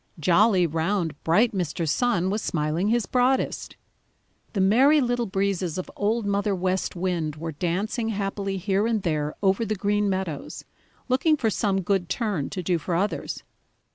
Jolly, round, bright Mr. Sun was smiling his broadest. The Merry Little Breezes of Old Mother West Wind were dancing happily here and there over the Green Meadows, looking for some good turn to do for others.